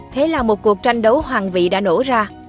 thế là một cuộc tranh đấu hoàng vị đã nổ ra